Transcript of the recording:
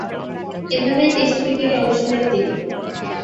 এভাবেই টেস্ট ক্রিকেটে অংশ নেন তিনি।